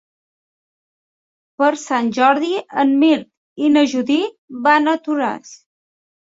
Per Sant Jordi en Mirt i na Judit van a Toràs.